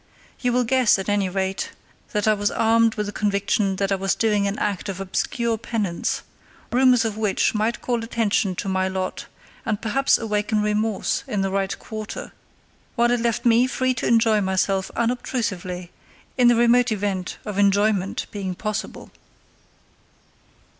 You will guess, at any rate, that I was armed with the conviction that I was doing an act of obscure penance, rumours of which might call attention to my lot and perhaps awaken remorse in the right quarter, while it left me free to enjoy myself unobtrusively in the remote event of enjoyment being possible.